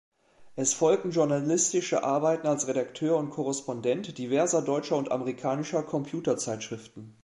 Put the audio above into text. Es folgten journalistische Arbeiten als Redakteur und Korrespondent diverser deutscher und amerikanischer Computerzeitschriften.